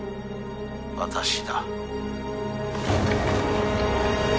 「私だ」